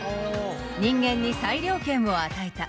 人間に裁量権を与えた。